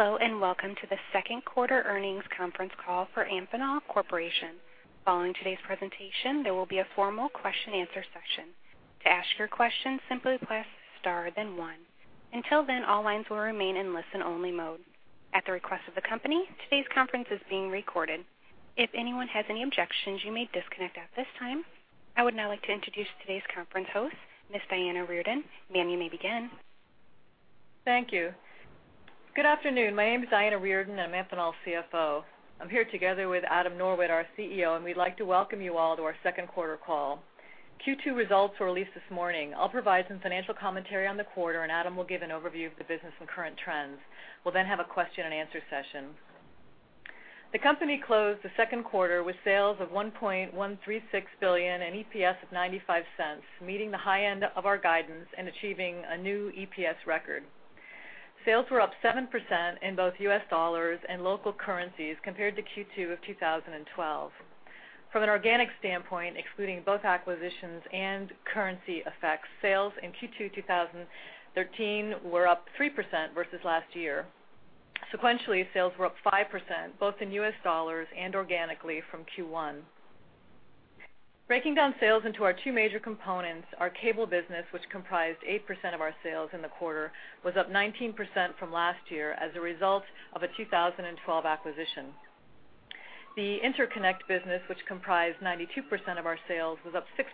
Hello, and welcome to the second quarter earnings conference call for Amphenol Corporation. Following today's presentation, there will be a formal question-and-answer session. To ask your question, simply press Star, then one. Until then, all lines will remain in listen-only mode. At the request of the company, today's conference is being recorded. If anyone has any objections, you may disconnect at this time. I would now like to introduce today's conference host, Ms. Diana Reardon. Ma'am, you may begin. Thank you. Good afternoon. My name is Diana Reardon, I'm Amphenol's CFO. I'm here together with Adam Norwitt, our CEO, and we'd like to welcome you all to our second quarter call. Q2 results were released this morning. I'll provide some financial commentary on the quarter, and Adam will give an overview of the business and current trends. We'll then have a question-and-answer session. The company closed the second quarter with sales of $1.136 billion and EPS of $0.95, meeting the high end of our guidance and achieving a new EPS record. Sales were up 7% in both US dollars and local currencies compared to Q2 of 2012. From an organic standpoint, excluding both acquisitions and currency effects, sales in Q2, 2013 were up 3% versus last year. Sequentially, sales were up 5%, both in US dollars and organically from Q1. Breaking down sales into our two major components, our cable business, which comprised 8% of our sales in the quarter, was up 19% from last year as a result of a 2012 acquisition. The interconnect business, which comprised 92% of our sales, was up 6%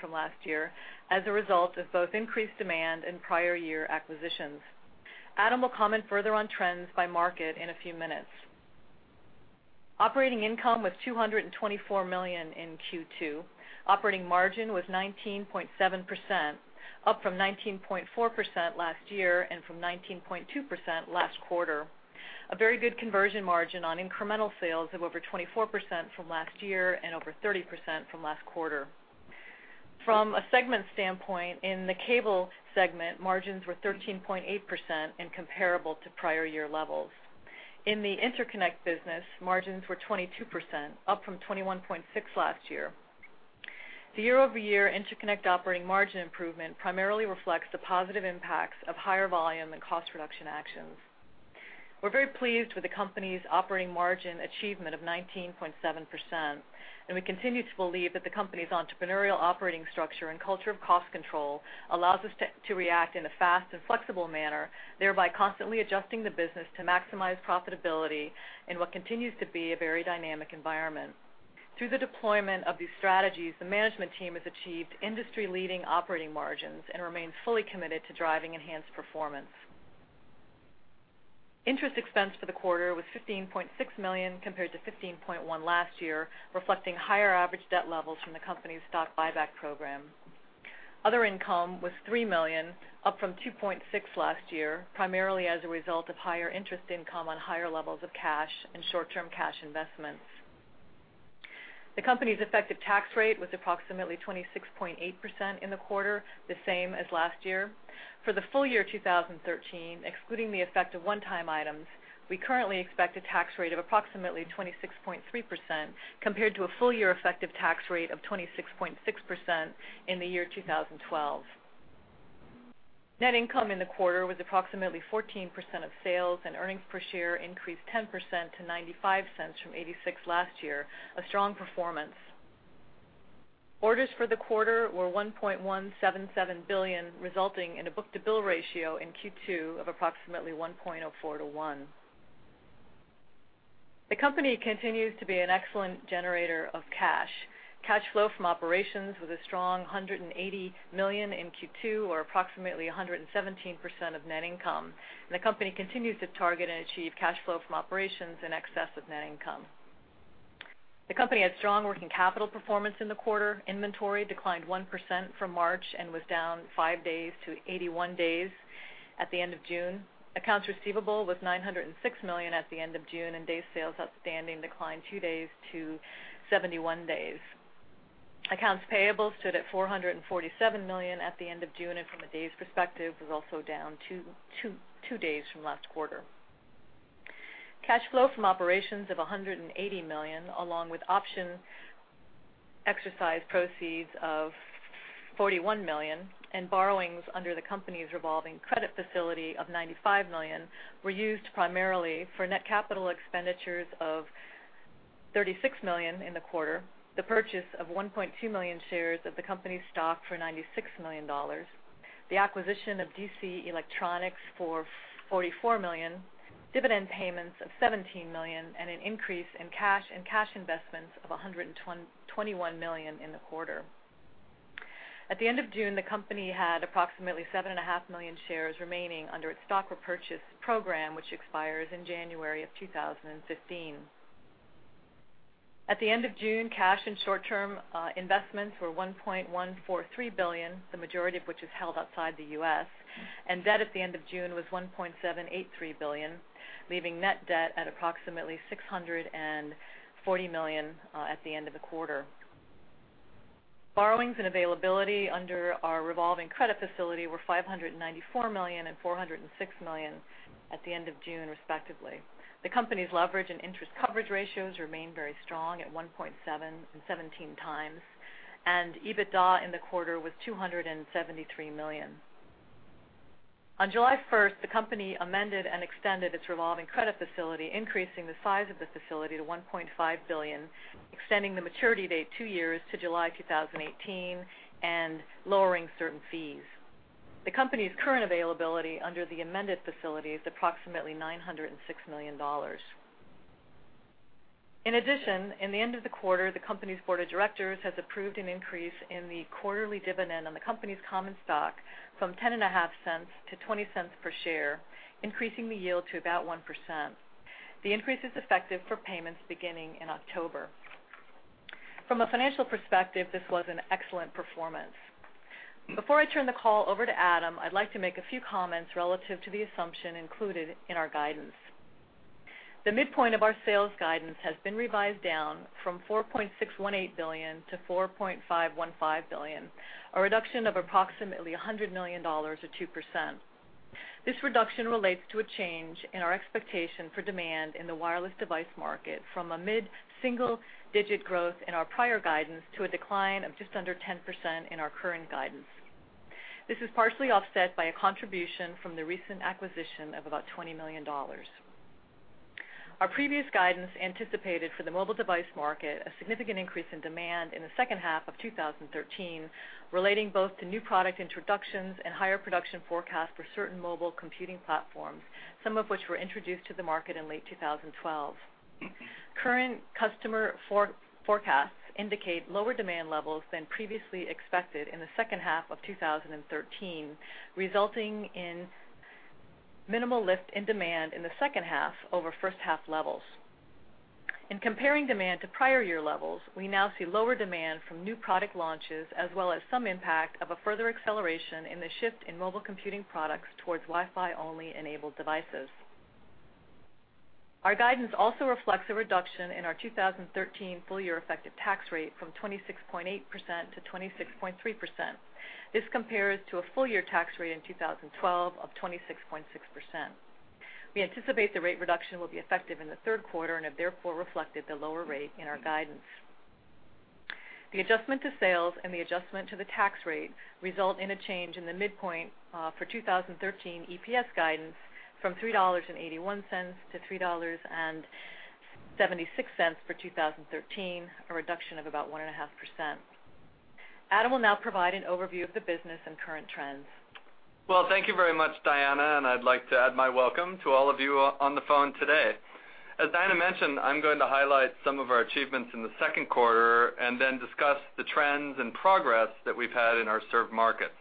from last year as a result of both increased demand and prior year acquisitions. Adam will comment further on trends by market in a few minutes. Operating income was $224 million in Q2. Operating margin was 19.7%, up from 19.4% last year and from 19.2% last quarter. A very good conversion margin on incremental sales of over 24% from last year and over 30% from last quarter. From a segment standpoint, in the cable segment, margins were 13.8% and comparable to prior year levels. In the interconnect business, margins were 22%, up from 21.6% last year. The year-over-year interconnect operating margin improvement primarily reflects the positive impacts of higher volume and cost reduction actions. We're very pleased with the company's operating margin achievement of 19.7%, and we continue to believe that the company's entrepreneurial operating structure and culture of cost control allows us to react in a fast and flexible manner, thereby constantly adjusting the business to maximize profitability in what continues to be a very dynamic environment. Through the deployment of these strategies, the management team has achieved industry-leading operating margins and remains fully committed to driving enhanced performance. Interest expense for the quarter was $15.6 million, compared to $15.1 million last year, reflecting higher average debt levels from the company's stock buyback program. Other income was $3 million, up from $2.6 million last year, primarily as a result of higher interest income on higher levels of cash and short-term cash investments. The company's effective tax rate was approximately 26.8% in the quarter, the same as last year. For the full year 2013, excluding the effect of one-time items, we currently expect a tax rate of approximately 26.3%, compared to a full-year effective tax rate of 26.6% in the year 2012. Net income in the quarter was approximately 14% of sales, and earnings per share increased 10% to $0.95 from $0.86 last year, a strong performance. Orders for the quarter were $1.177 billion, resulting in a book-to-bill ratio in Q2 of approximately 1.04 to 1. The company continues to be an excellent generator of cash. Cash flow from operations was a strong $180 million in Q2, or approximately 117% of net income, and the company continues to target and achieve cash flow from operations in excess of net income. The company had strong working capital performance in the quarter. Inventory declined 1% from March and was down 5 days to 81 days at the end of June. Accounts receivable was $906 million at the end of June, and days sales outstanding declined 2 days to 71 days. Accounts payable stood at $447 million at the end of June, and from a days perspective, was also down 2 days from last quarter. Cash flow from operations of $180 million, along with option exercise proceeds of $41 million, and borrowings under the company's revolving credit facility of $95 million, were used primarily for net capital expenditures of $36 million in the quarter, the purchase of 1.2 million shares of the company's stock for $96 million, the acquisition of DC Electronics for $44 million, dividend payments of $17 million, and an increase in cash and cash investments of $121 million in the quarter. At the end of June, the company had approximately 7.5 million shares remaining under its stock repurchase program, which expires in January 2015. At the end of June, cash and short-term investments were $1.143 billion, the majority of which is held outside the US, and debt at the end of June was $1.783 billion, leaving net debt at approximately $640 million at the end of the quarter. Borrowings and availability under our revolving credit facility were $594 million and $406 million at the end of June, respectively. The company's leverage and interest coverage ratios remain very strong at 1.7 and 17x, and EBITDA in the quarter was $273 million. On July 1st, the company amended and extended its revolving credit facility, increasing the size of the facility to $1.5 billion, extending the maturity date two years to July 2018, and lowering certain fees. The company's current availability under the amended facility is approximately $906 million. In addition, in the end of the quarter, the company's board of directors has approved an increase in the quarterly dividend on the company's common stock from $0.105 to $0.20 per share, increasing the yield to about 1%. The increase is effective for payments beginning in October. From a financial perspective, this was an excellent performance. Before I turn the call over to Adam, I'd like to make a few comments relative to the assumption included in our guidance. The midpoint of our sales guidance has been revised down from $4.618 billion to $4.515 billion, a reduction of approximately $100 million, or 2%. This reduction relates to a change in our expectation for demand in the wireless device market from a mid-single-digit growth in our prior guidance to a decline of just under 10% in our current guidance. This is partially offset by a contribution from the recent acquisition of about $20 million. Our previous guidance anticipated for the mobile device market, a significant increase in demand in the H2 of 2013, relating both to new product introductions and higher production forecast for certain mobile computing platforms, some of which were introduced to the market in late 2012. Current customer forecasts indicate lower demand levels than previously expected in the H2 of 2013, resulting in minimal lift in demand in the H2 over H1 levels. In comparing demand to prior year levels, we now see lower demand from new product launches, as well as some impact of a further acceleration in the shift in mobile computing products towards Wi-Fi only enabled devices. Our guidance also reflects a reduction in our 2013 full-year effective tax rate from 26.8% to 26.3%. This compares to a full-year tax rate in 2012 of 26.6%. We anticipate the rate reduction will be effective in the third quarter and have therefore reflected the lower rate in our guidance. The adjustment to sales and the adjustment to the tax rate result in a change in the midpoint, for 2013 EPS guidance from $3.81 to $3.76 for 2013, a reduction of about 1.5%. Adam will now provide an overview of the business and current trends. Well, thank you very much, Diana, and I'd like to add my welcome to all of you on the phone today. As Diana mentioned, I'm going to highlight some of our achievements in the second quarter and then discuss the trends and progress that we've had in our served markets.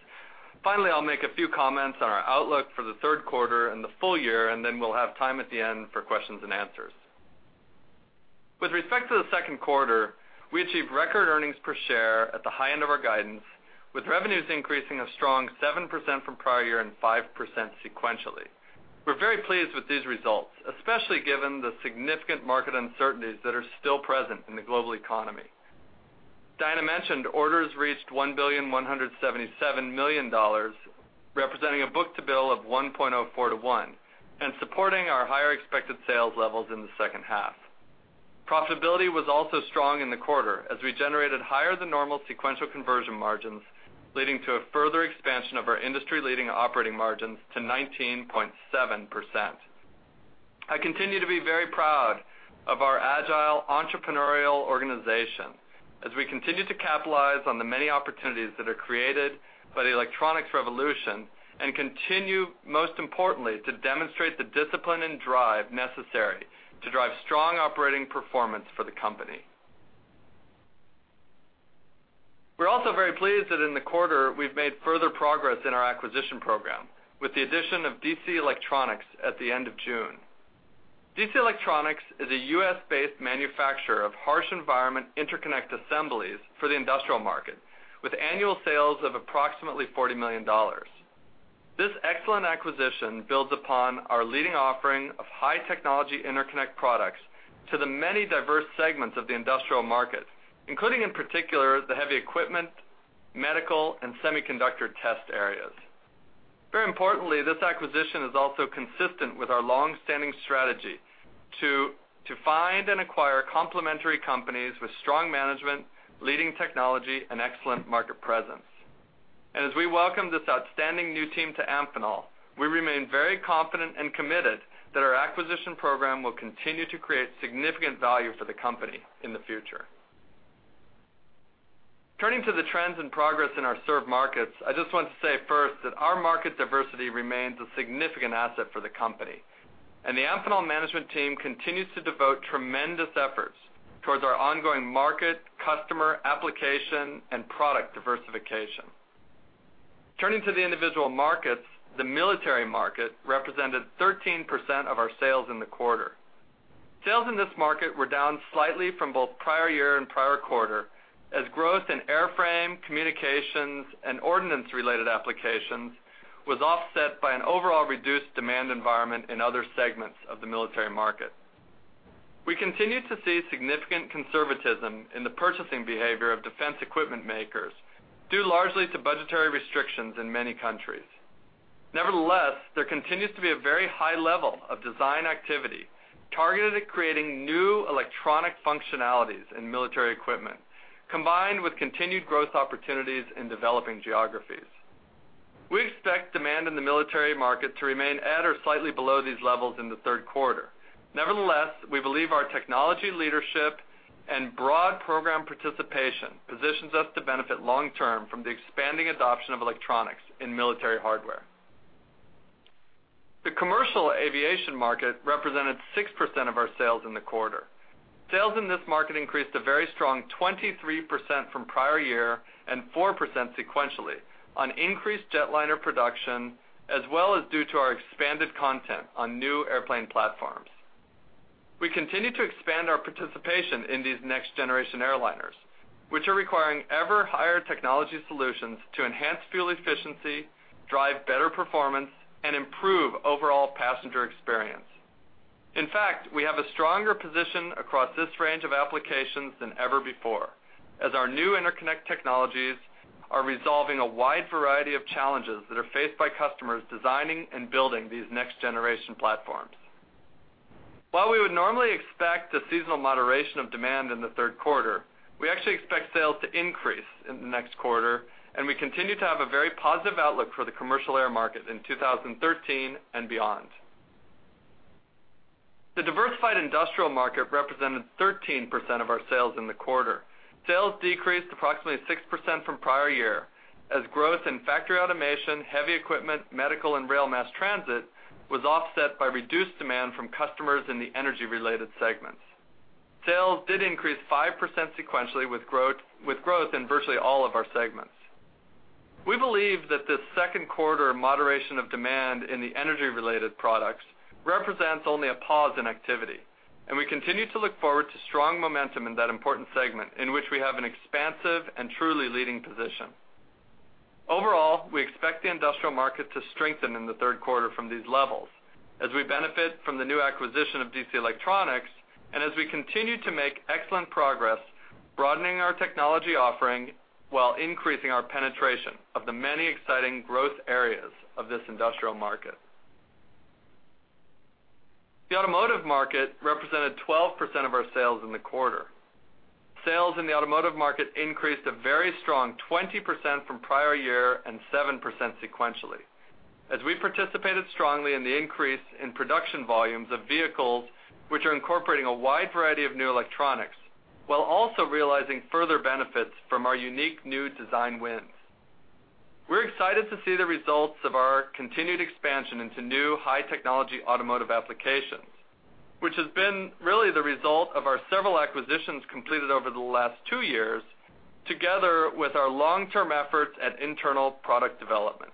Finally, I'll make a few comments on our outlook for the third quarter and the full year, and then we'll have time at the end for questions and answers. With respect to the second quarter, we achieved record earnings per share at the high end of our guidance, with revenues increasing a strong 7% from prior year and 5% sequentially. We're very pleased with these results, especially given the significant market uncertainties that are still present in the global economy. Diana mentioned, orders reached $1.177 billion, representing a book-to-bill of 1.04 to 1, and supporting our higher expected sales levels in the H2. Profitability was also strong in the quarter as we generated higher than normal sequential conversion margins, leading to a further expansion of our industry-leading operating margins to 19.7%. I continue to be very proud of our agile, entrepreneurial organization as we continue to capitalize on the many opportunities that are created by the electronics revolution, and continue, most importantly, to demonstrate the discipline and drive necessary to drive strong operating performance for the company. We're also very pleased that in the quarter, we've made further progress in our acquisition program with the addition of DC Electronics at the end of June. DC Electronics is a US-based manufacturer of harsh environment interconnect assemblies for the industrial market, with annual sales of approximately $40 million. This excellent acquisition builds upon our leading offering of high technology interconnect products to the many diverse segments of the industrial market, including, in particular, the heavy equipment, medical, and semiconductor test areas. Very importantly, this acquisition is also consistent with our long-standing strategy to find and acquire complementary companies with strong management, leading technology, and excellent market presence. And as we welcome this outstanding new team to Amphenol, we remain very confident and committed that our acquisition program will continue to create significant value for the company in the future. Turning to the trends and progress in our served markets, I just want to say first that our market diversity remains a significant asset for the company, and the Amphenol management team continues to devote tremendous efforts towards our ongoing market, customer, application, and product diversification. Turning to the individual markets, the military market represented 13% of our sales in the quarter. Sales in this market were down slightly from both prior year and prior quarter, as growth in airframe, communications, and ordnance-related applications was offset by an overall reduced demand environment in other segments of the military market. We continue to see significant conservatism in the purchasing behavior of defense equipment makers, due largely to budgetary restrictions in many countries. Nevertheless, there continues to be a very high level of design activity... Targeted at creating new electronic functionalities in military equipment, combined with continued growth opportunities in developing geographies. We expect demand in the military market to remain at or slightly below these levels in the third quarter. Nevertheless, we believe our technology leadership and broad program participation positions us to benefit long-term from the expanding adoption of electronics in military hardware. The commercial aviation market represented 6% of our sales in the quarter. Sales in this market increased a very strong 23% from prior year, and 4% sequentially, on increased jetliner production, as well as due to our expanded content on new airplane platforms. We continue to expand our participation in these next-generation airliners, which are requiring ever-higher technology solutions to enhance fuel efficiency, drive better performance, and improve overall passenger experience. In fact, we have a stronger position across this range of applications than ever before, as our new interconnect technologies are resolving a wide variety of challenges that are faced by customers designing and building these next-generation platforms. While we would normally expect a seasonal moderation of demand in the third quarter, we actually expect sales to increase in the next quarter, and we continue to have a very positive outlook for the commercial air market in 2013 and beyond. The diversified industrial market represented 13% of our sales in the quarter. Sales decreased approximately 6% from prior year, as growth in factory automation, heavy equipment, medical, and rail mass transit was offset by reduced demand from customers in the energy-related segments. Sales did increase 5% sequentially, with growth in virtually all of our segments. We believe that this second quarter moderation of demand in the energy-related products represents only a pause in activity, and we continue to look forward to strong momentum in that important segment in which we have an expansive and truly leading position. Overall, we expect the industrial market to strengthen in the third quarter from these levels as we benefit from the new acquisition of DC Electronics and as we continue to make excellent progress broadening our technology offering while increasing our penetration of the many exciting growth areas of this industrial market. The automotive market represented 12% of our sales in the quarter. Sales in the automotive market increased a very strong 20% from prior year and 7% sequentially, as we participated strongly in the increase in production volumes of vehicles, which are incorporating a wide variety of new electronics, while also realizing further benefits from our unique new design wins. We're excited to see the results of our continued expansion into new high-technology automotive applications, which has been really the result of our several acquisitions completed over the last two years, together with our long-term efforts at internal product development.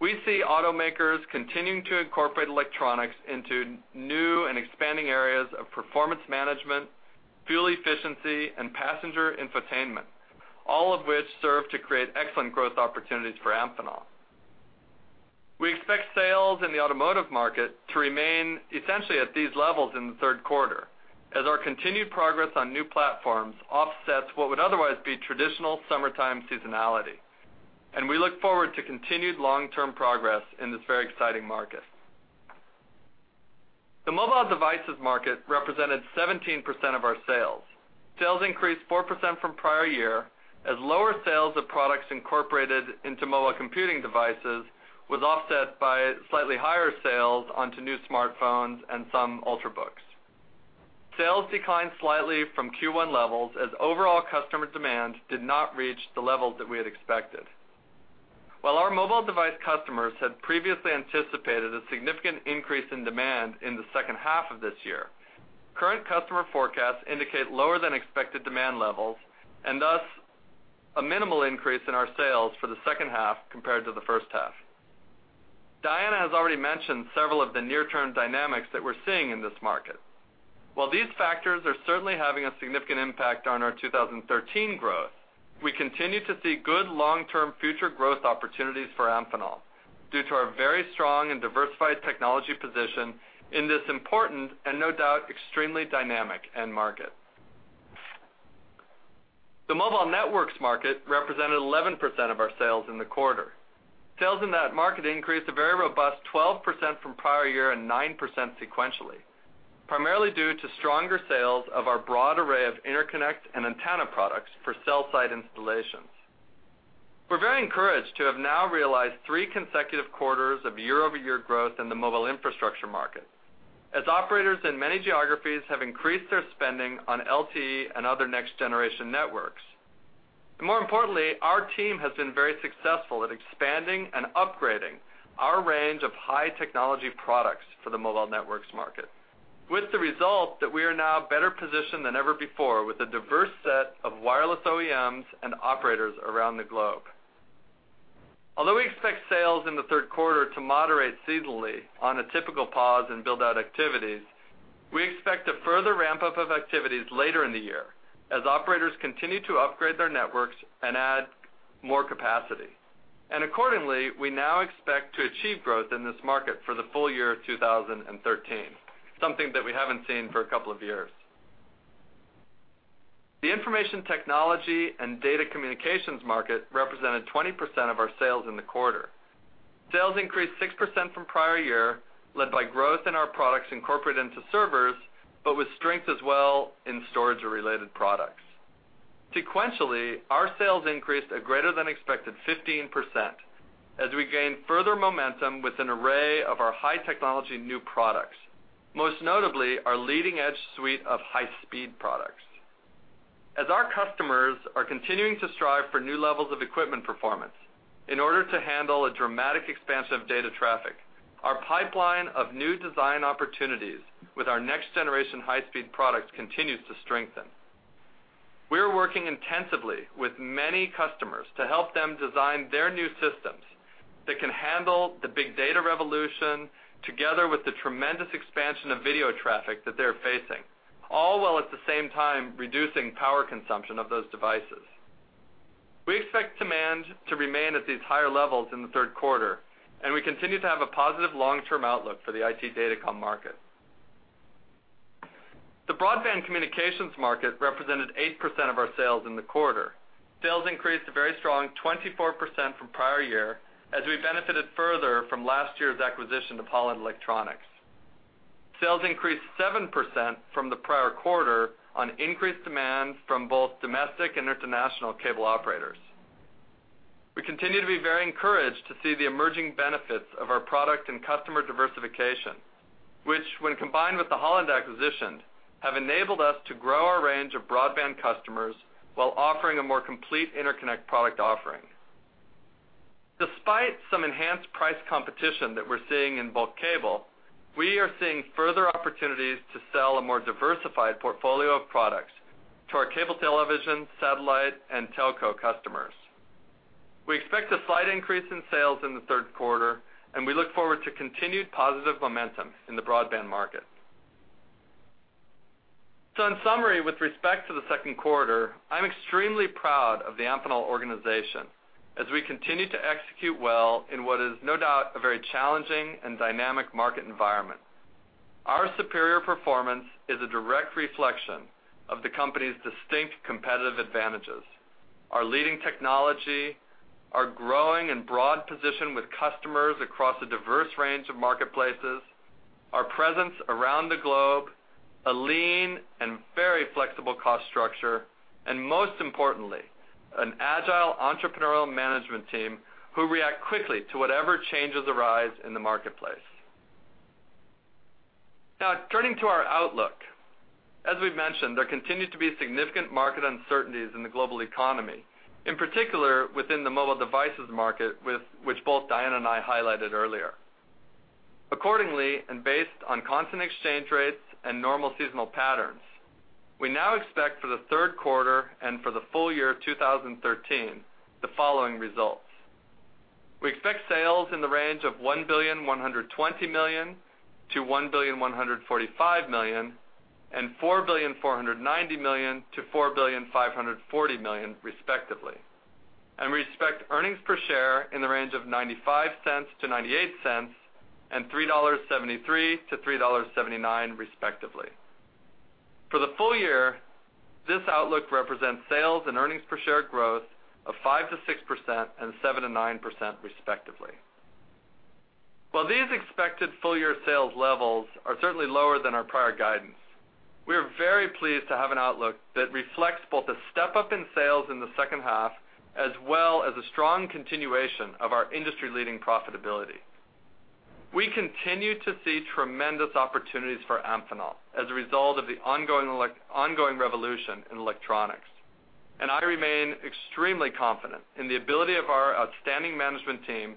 We see automakers continuing to incorporate electronics into new and expanding areas of performance management, fuel efficiency, and passenger infotainment, all of which serve to create excellent growth opportunities for Amphenol. We expect sales in the automotive market to remain essentially at these levels in the third quarter, as our continued progress on new platforms offsets what would otherwise be traditional summertime seasonality, and we look forward to continued long-term progress in this very exciting market. The mobile devices market represented 17% of our sales. Sales increased 4% from prior year, as lower sales of products incorporated into mobile computing devices was offset by slightly higher sales onto new smartphones and some Ultrabooks. Sales declined slightly from Q1 levels, as overall customer demand did not reach the levels that we had expected. While our mobile device customers had previously anticipated a significant increase in demand in the second half of this year, current customer forecasts indicate lower than expected demand levels and thus a minimal increase in our sales for the H2 compared to the H1. Diana has already mentioned several of the near-term dynamics that we're seeing in this market. While these factors are certainly having a significant impact on our 2013 growth, we continue to see good long-term future growth opportunities for Amphenol due to our very strong and diversified technology position in this important, and no doubt, extremely dynamic end market. The mobile networks market represented 11% of our sales in the quarter. Sales in that market increased a very robust 12% from prior year and 9% sequentially, primarily due to stronger sales of our broad array of interconnect and antenna products for cell site installations. We're very encouraged to have now realized 3 consecutive quarters of year-over-year growth in the mobile infrastructure market, as operators in many geographies have increased their spending on LTE and other next-generation networks. More importantly, our team has been very successful at expanding and upgrading our range of high-technology products for the mobile networks market, with the result that we are now better positioned than ever before with a diverse set of wireless OEMs and operators around the globe. Although we expect sales in the third quarter to moderate seasonally on a typical pause in build-out activities, we expect a further ramp-up of activities later in the year as operators continue to upgrade their networks and add more capacity. And accordingly, we now expect to achieve growth in this market for the full year of 2013, something that we haven't seen for a couple of years. The information technology and data communications market represented 20% of our sales in the quarter. Sales increased 6% from prior year, led by growth in our products incorporated into servers, but with strength as well in storage-related products. Sequentially, our sales increased a greater-than-expected 15%, as we gained further momentum with an array of our high-technology new products, most notably our leading-edge suite of high-speed products. As our customers are continuing to strive for new levels of equipment performance in order to handle a dramatic expansion of data traffic, our pipeline of new design opportunities with our next-generation high-speed products continues to strengthen. We are working intensively with many customers to help them design their new systems that can handle the big data revolution, together with the tremendous expansion of video traffic that they're facing, all while at the same time reducing power consumption of those devices. We expect demand to remain at these higher levels in the third quarter, and we continue to have a positive long-term outlook for the IT datacom market. The broadband communications market represented 8% of our sales in the quarter. Sales increased a very strong 24% from prior year, as we benefited further from last year's acquisition of Holland Electronics. Sales increased 7% from the prior quarter on increased demand from both domestic and international cable operators. We continue to be very encouraged to see the emerging benefits of our product and customer diversification, which, when combined with the Holland acquisition, have enabled us to grow our range of broadband customers while offering a more complete interconnect product offering. Despite some enhanced price competition that we're seeing in bulk cable, we are seeing further opportunities to sell a more diversified portfolio of products to our cable television, satellite, and telco customers. We expect a slight increase in sales in the third quarter, and we look forward to continued positive momentum in the broadband market. So in summary, with respect to the second quarter, I'm extremely proud of the Amphenol organization as we continue to execute well in what is no doubt a very challenging and dynamic market environment. Our superior performance is a direct reflection of the company's distinct competitive advantages, our leading technology, our growing and broad position with customers across a diverse range of marketplaces, our presence around the globe, a lean and very flexible cost structure, and most importantly, an agile, entrepreneurial management team who react quickly to whatever changes arise in the marketplace. Now, turning to our outlook. As we've mentioned, there continue to be significant market uncertainties in the global economy, in particular, within the mobile devices market, with which both Diana and I highlighted earlier. Accordingly, and based on constant exchange rates and normal seasonal patterns, we now expect for the third quarter and for the full year of 2013, the following results: We expect sales in the range of $1.120 billion to $1.145 billion and $4.490 billion to $4.540 billion, respectively. And we expect earnings per share in the range of $0.95 to $0.98 and $3.73 to $3.79, respectively. For the full year, this outlook represents sales and earnings per share growth of 5%-6% and 7%-9%, respectively. While these expected full-year sales levels are certainly lower than our prior guidance, we are very pleased to have an outlook that reflects both a step-up in sales in the H2, as well as a strong continuation of our industry-leading profitability. We continue to see tremendous opportunities for Amphenol as a result of the ongoing revolution in electronics, and I remain extremely confident in the ability of our outstanding management team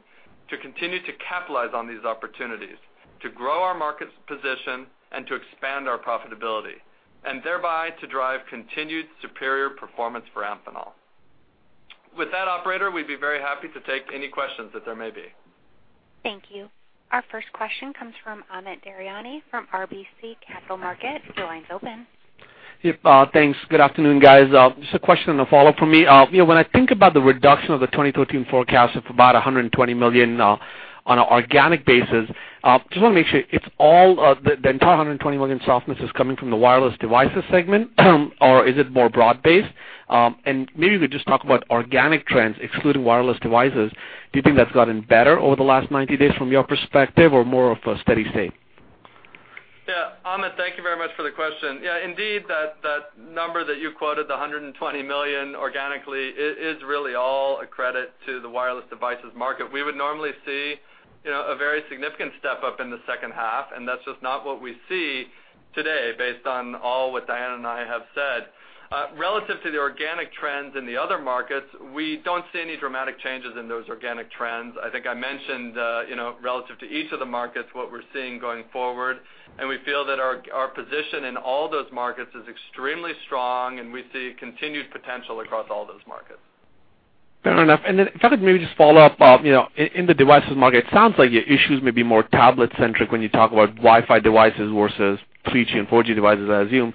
to continue to capitalize on these opportunities, to grow our market's position, and to expand our profitability, and thereby, to drive continued superior performance for Amphenol. With that, operator, we'd be very happy to take any questions that there may be. Thank you. Our first question comes from Amit Daryanani from RBC Capital Markets. Your line's open. Yep, thanks. Good afternoon, guys. Just a question and a follow-up for me. You know, when I think about the reduction of the 2013 forecast of about $120 million, on an organic basis, just want to make sure it's all, the entire $120 million softness is coming from the wireless devices segment, or is it more broad-based? And maybe you could just talk about organic trends, excluding wireless devices. Do you think that's gotten better over the last 90 days from your perspective, or more of a steady state? Yeah, Amit, thank you very much for the question. Yeah, indeed, that, that number that you quoted, the $120 million organically, it is really all a credit to the wireless devices market. We would normally see, you know, a very significant step-up in the H2, and that's just not what we see today, based on all what Diana and I have said. Relative to the organic trends in the other markets, we don't see any dramatic changes in those organic trends. I think I mentioned, you know, relative to each of the markets, what we're seeing going forward, and we feel that our, our position in all those markets is extremely strong, and we see continued potential across all those markets. Fair enough. And then if I could maybe just follow up, you know, in the devices market, it sounds like your issues may be more tablet-centric when you talk about Wi-Fi devices versus 3G and 4G devices, I assume.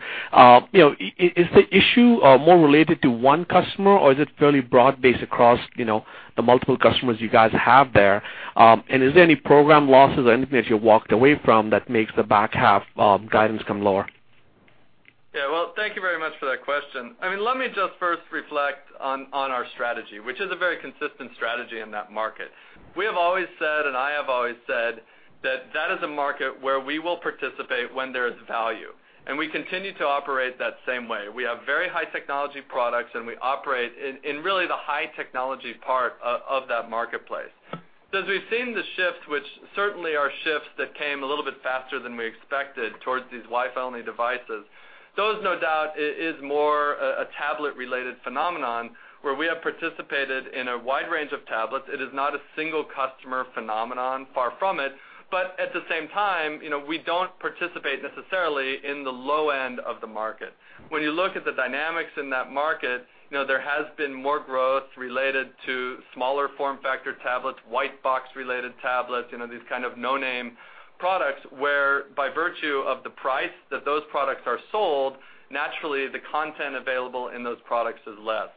You know, is the issue more related to one customer, or is it fairly broad-based across, you know, the multiple customers you guys have there? And is there any program losses or anything that you walked away from that makes the back half guidance come lower? Thank you very much for that question. I mean, let me just first reflect on our strategy, which is a very consistent strategy in that market. We have always said, and I have always said, that that is a market where we will participate when there is value, and we continue to operate that same way. We have very high technology products, and we operate in really the high technology part of that marketplace. So as we've seen the shifts, which certainly are shifts that came a little bit faster than we expected towards these Wi-Fi only devices, those no doubt is more a tablet-related phenomenon where we have participated in a wide range of tablets. It is not a single customer phenomenon, far from it, but at the same time, you know, we don't participate necessarily in the low end of the market. When you look at the dynamics in that market, you know, there has been more growth related to smaller form factor tablets, white box-related tablets, you know, these kind of no-name products, where by virtue of the price that those products are sold, naturally, the content available in those products is less.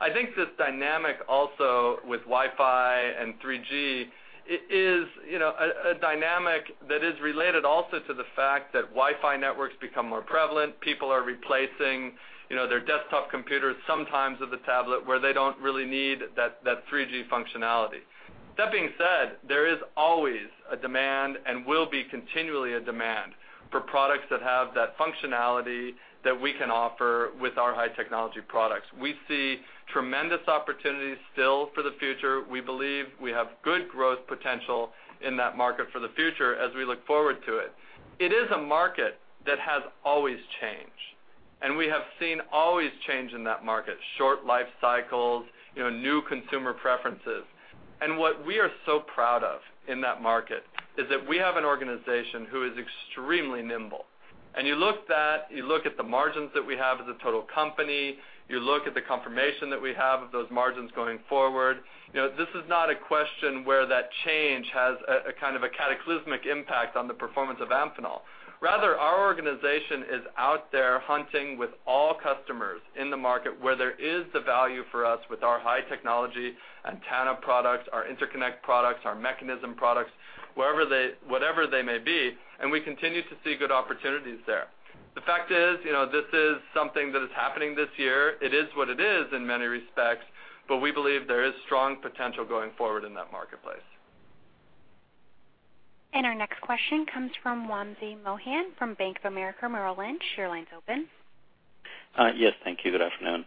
I think this dynamic also with Wi-Fi and 3G is, you know, a dynamic that is related also to the fact that Wi-Fi networks become more prevalent. People are replacing, you know, their desktop computers, sometimes with a tablet, where they don't really need that 3G functionality. That being said, there is always a demand and will be continually a demand for products that have that functionality that we can offer with our high technology products. We see tremendous opportunities still for the future. We believe we have good growth potential in that market for the future as we look forward to it. It is a market that has always changed, and we have seen always change in that market, short life cycles, you know, new consumer preferences. What we are so proud of in that market is that we have an organization who is extremely nimble. You look at that, you look at the margins that we have as a total company, you look at the confirmation that we have of those margins going forward. You know, this is not a question where that change has a kind of cataclysmic impact on the performance of Amphenol. Rather, our organization is out there hunting with all customers in the market where there is the value for us with our high technology antenna products, our interconnect products, our mechanism products, wherever they, whatever they may be, and we continue to see good opportunities there. The fact is, you know, this is something that is happening this year. It is what it is in many respects, but we believe there is strong potential going forward in that marketplace. And our next question comes from Wamsi Mohan from Bank of America Merrill Lynch. Your line's open. Yes, thank you. Good afternoon.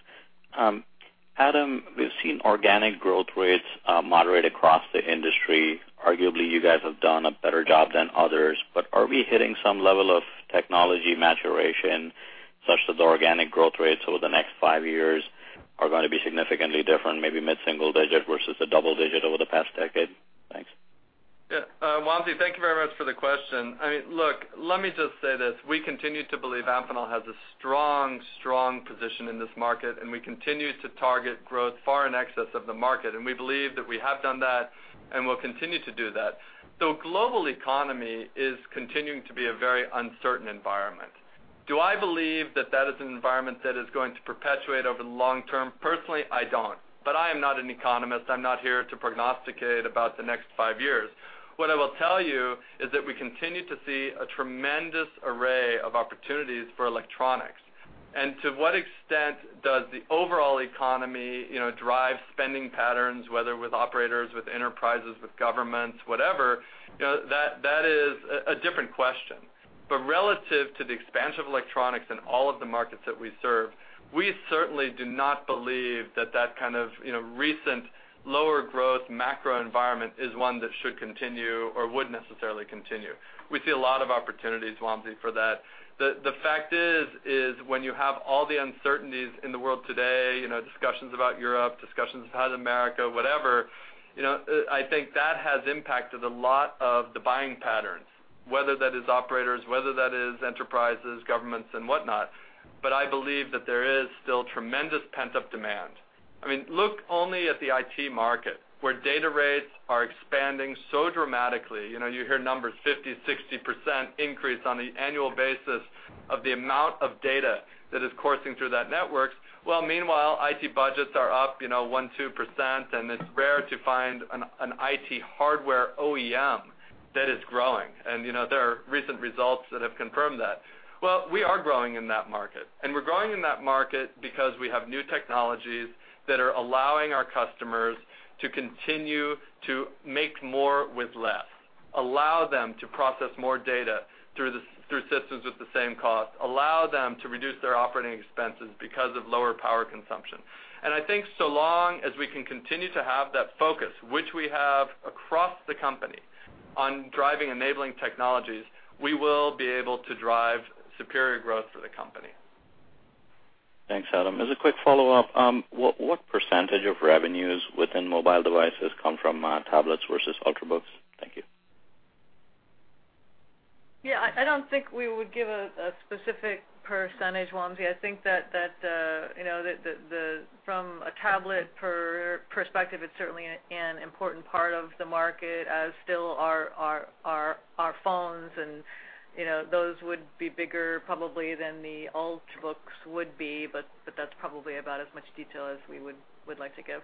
Adam, we've seen organic growth rates moderate across the industry. Arguably, you guys have done a better job than others, but are we hitting some level of technology maturation such that the organic growth rates over the next five years are gonna be significantly different, maybe mid-single digit versus the double digit over the past decade? Thanks. Yeah, Vamsi, thank you very much for the question. I mean, look, let me just say this. We continue to believe Amphenol has a strong, strong position in this market, and we continue to target growth far in excess of the market, and we believe that we have done that and will continue to do that. So global economy is continuing to be a very uncertain environment. Do I believe that that is an environment that is going to perpetuate over the long term? Personally, I don't, but I am not an economist. I'm not here to prognosticate about the next five years. What I will tell you is that we continue to see a tremendous array of opportunities for electronics. And to what extent does the overall economy, you know, drive spending patterns, whether with operators, with enterprises, with governments, whatever? You know, that is a different question. But relative to the expansion of electronics in all of the markets that we serve, we certainly do not believe that that kind of, you know, recent lower growth macro environment is one that should continue or would necessarily continue. We see a lot of opportunities, Vamsi, for that. The fact is, when you have all the uncertainties in the world today, you know, discussions about Europe, discussions about America, whatever, you know, I think that has impacted a lot of the buying patterns, whether that is operators, whether that is enterprises, governments, and whatnot, but I believe that there is still tremendous pent-up demand. I mean, look only at the IT market, where data rates are expanding so dramatically. You know, you hear numbers 50%-60% increase on the annual basis of the amount of data that is coursing through that network. Well, meanwhile, IT budgets are up, you know, 1%-2%, and it's rare to find an, an IT hardware OEM that is growing. And, you know, there are recent results that have confirmed that. Well, we are growing in that market, and we're growing in that market because we have new technologies that are allowing our customers to continue to make more with less, allow them to process more data through the, through systems with the same cost, allow them to reduce their operating expenses because of lower power consumption. And I think so long as we can continue to have that focus, which we have across the company on driving enabling technologies, we will be able to drive superior growth for the company. Thanks, Adam. As a quick follow-up, what percentage of revenues within mobile devices come from tablets versus Ultrabooks? Thank you. Yeah, I don't think we would give a specific percentage, Vamsi. I think that, you know, that the, from a tablet perspective, it's certainly an important part of the market, and still our phones and, you know, those would be bigger probably than the Ultrabooks would be, but that's probably about as much detail as we would like to give.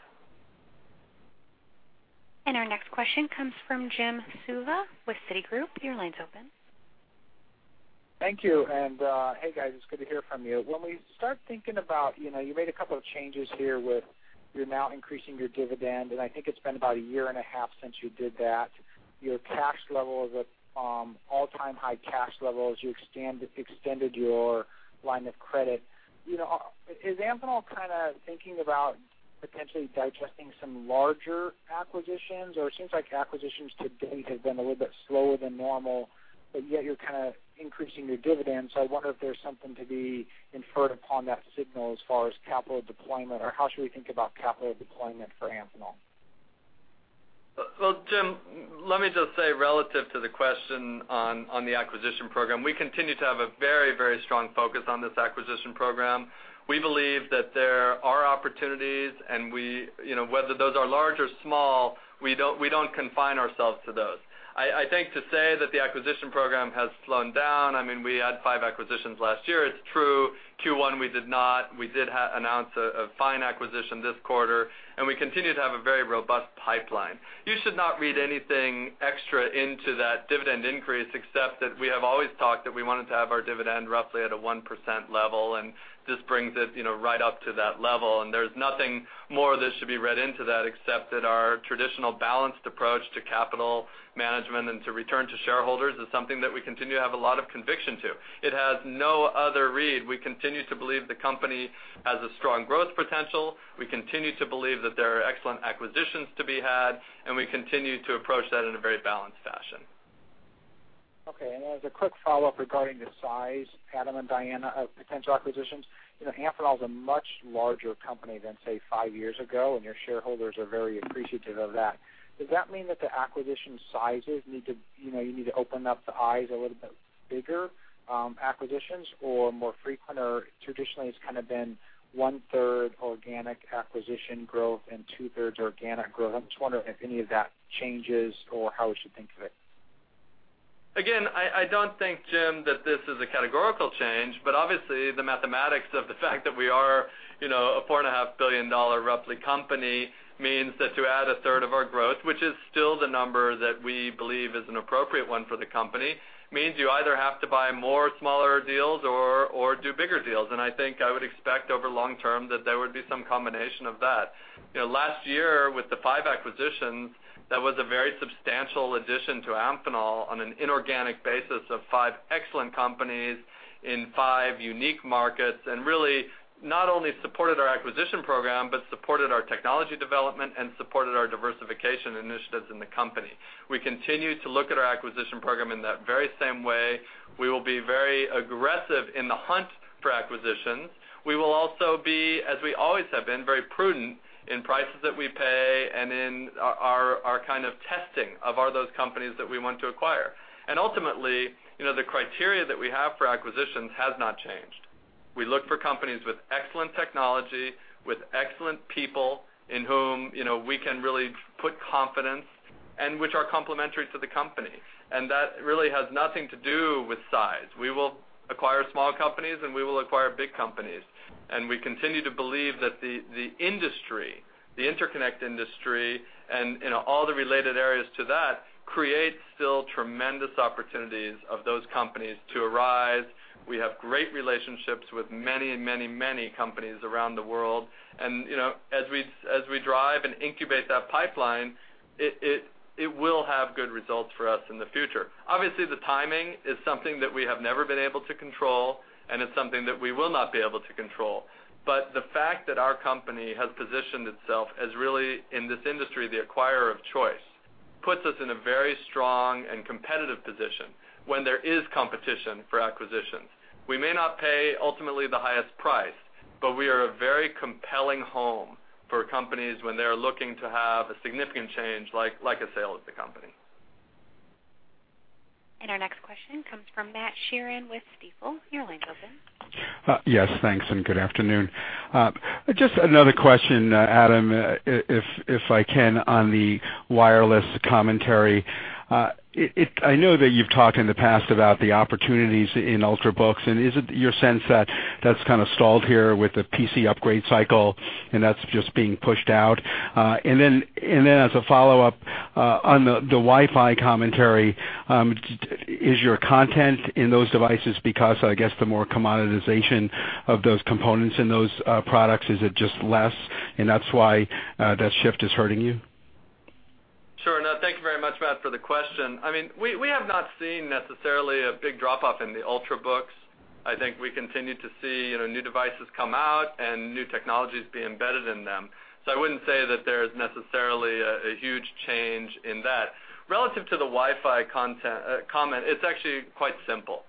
Our next question comes from Jim Suva with Citigroup. Your line's open. Thank you. And, hey, guys, it's good to hear from you. When we start thinking about, you know, you made a couple of changes here with, you're now increasing your dividend, and I think it's been about a year and a half since you did that. Your cash level is at all-time high cash levels. You extended your line of credit. You know, is Amphenol kinda thinking about potentially digesting some larger acquisitions? Or it seems like acquisitions to date have been a little bit slower than normal, but yet you're kinda increasing your dividend. So I wonder if there's something to be inferred upon that signal as far as capital deployment, or how should we think about capital deployment for Amphenol? Well, Jim, let me just say, relative to the question on the acquisition program, we continue to have a very, very strong focus on this acquisition program. We believe that there are opportunities, and we, you know, whether those are large or small, we don't, we don't confine ourselves to those. I think to say that the acquisition program has slowed down, I mean, we had five acquisitions last year. It's true, Q1, we did not. We did announce a fine acquisition this quarter, and we continue to have a very robust pipeline. You should not read anything extra into that dividend increase, except that we have always talked that we wanted to have our dividend roughly at a 1% level, and this brings it, you know, right up to that level. There's nothing more that should be read into that, except that our traditional balanced approach to capital management and to return to shareholders is something that we continue to have a lot of conviction to. It has no other read. We continue to believe the company has a strong growth potential. We continue to believe that there are excellent acquisitions to be had, and we continue to approach that in a very balanced fashion. Okay. As a quick follow-up regarding the size, Adam and Diana, of potential acquisitions, you know, Amphenol is a much larger company than, say, five years ago, and your shareholders are very appreciative of that. Does that mean that the acquisition sizes need to, you know, you need to open up the eyes a little bit bigger, acquisitions or more frequent? Or traditionally, it's kind of been one-third organic acquisition growth and two-thirds organic growth. I'm just wondering if any of that changes or how we should think of it. Again, I don't think, Jim, that this is a categorical change, but obviously, the mathematics of the fact that we are, you know, a roughly $4.5 billion company, means that to add a third of our growth, which is still the number that we believe is an appropriate one for the company, means you either have to buy more smaller deals or do bigger deals. And I think I would expect over long term that there would be some combination of that. You know, last year, with the five acquisitions, that was a very substantial addition to Amphenol on an inorganic basis of five excellent companies in five unique markets, and really, not only supported our acquisition program, but supported our technology development and supported our diversification initiatives in the company. We continue to look at our acquisition program in that very same way. We will be very aggressive in the hunt for acquisitions. We will also be, as we always have been, very prudent in prices that we pay and in our kind of testing of are those companies that we want to acquire. And ultimately, you know, the criteria that we have for acquisitions has not changed. We look for companies with excellent technology, with excellent people in whom, you know, we can really put confidence and which are complementary to the company. And that really has nothing to do with size. We will acquire small companies, and we will acquire big companies. And we continue to believe that the industry, the interconnect industry and, you know, all the related areas to that, create still tremendous opportunities of those companies to arise. We have great relationships with many, many, many companies around the world. And, you know, as we drive and incubate that pipeline, it will have good results for us in the future. Obviously, the timing is something that we have never been able to control, and it's something that we will not be able to control. But the fact that our company has positioned itself as really, in this industry, the acquirer of choice, puts us in a very strong and competitive position when there is competition for acquisitions. We may not pay ultimately the highest price, but we are a very compelling home for companies when they're looking to have a significant change, like a sale of the company. Our next question comes from Matt Sheerin with Stifel. Your line is open. Yes, thanks, and good afternoon. Just another question, Adam, if I can, on the wireless commentary. I know that you've talked in the past about the opportunities in ultrabooks, and is it your sense that that's kind of stalled here with the PC upgrade cycle, and that's just being pushed out? And then as a follow-up, on the Wi-Fi commentary, is your content in those devices because, I guess, the more commoditization of those components in those products, is it just less, and that's why that shift is hurting you? Sure. No, thank you very much, Matt, for the question. I mean, we, we have not seen necessarily a big drop-off in the Ultrabooks. I think we continue to see, you know, new devices come out and new technologies be embedded in them. So I wouldn't say that there is necessarily a huge change in that. Relative to the Wi-Fi content comment, it's actually quite simple.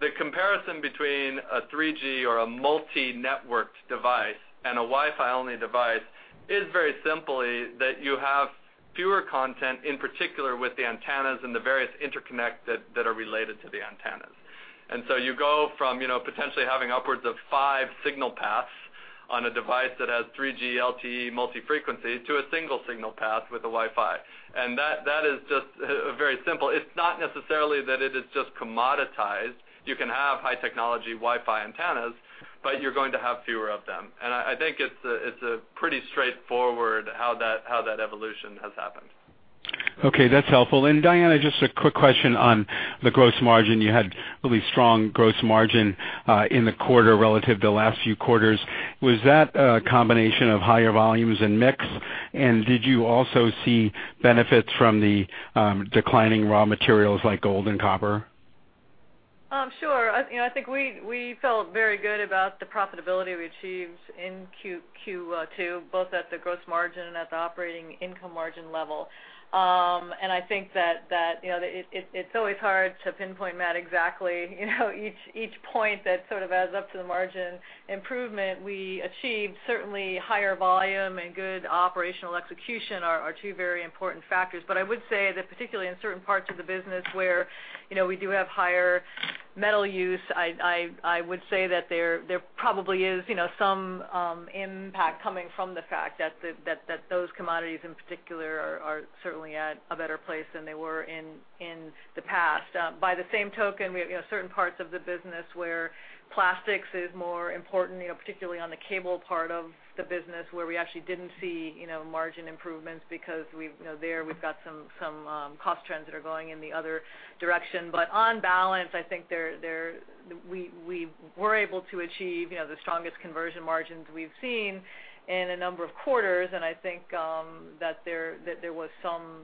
The comparison between a 3G or a multi-networked device and a Wi-Fi-only device is very simply that you have fewer content, in particular with the antennas and the various interconnect that are related to the antennas. And so you go from, you know, potentially having upwards of five signal paths on a device that has 3G, LTE, multi-frequency, to a single signal path with a Wi-Fi. And that is just very simple. It's not necessarily that it is just commoditized. You can have high-technology Wi-Fi antennas, but you're going to have fewer of them. And I think it's a pretty straightforward how that evolution has happened. Okay, that's helpful. Diana, just a quick question on the gross margin. You had really strong gross margin in the quarter relative to the last few quarters. Was that a combination of higher volumes and mix? And did you also see benefits from the declining raw materials like gold and copper? Sure. You know, I think we felt very good about the profitability we achieved in Q2, both at the gross margin and at the operating income margin level. And I think that you know, it it's always hard to pinpoint, Matt, exactly you know, each point that sort of adds up to the margin improvement we achieved. Certainly, higher volume and good operational execution are two very important factors. But I would say that, particularly in certain parts of the business where you know, we do have higher metal use, I would say that there probably is you know, some impact coming from the fact that that those commodities in particular are certainly at a better place than they were in the past. By the same token, you know, certain parts of the business where plastics is more important, you know, particularly on the cable part of the business, where we actually didn't see, you know, margin improvements because we've, you know, there we've got some cost trends that are going in the other direction. But on balance, I think there we were able to achieve, you know, the strongest conversion margins we've seen in a number of quarters, and I think that there was some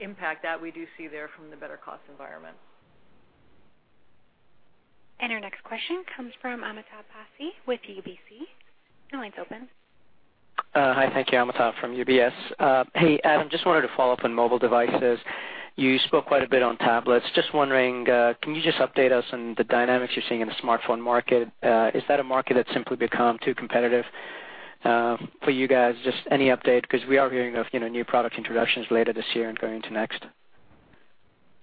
impact that we do see there from the better cost environment. Our next question comes from Amitabh Passi with UBS. The line's open. Hi. Thank you, Amitabh from UBS. Hey, Adam, just wanted to follow up on mobile devices. You spoke quite a bit on tablets. Just wondering, can you just update us on the dynamics you're seeing in the smartphone market? Is that a market that's simply become too competitive, for you guys? Just any update, because we are hearing of, you know, new product introductions later this year and going into next.